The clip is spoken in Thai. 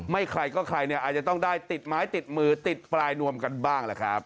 ใครก็ใครเนี่ยอาจจะต้องได้ติดไม้ติดมือติดปลายนวมกันบ้างแหละครับ